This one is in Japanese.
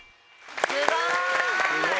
すごい！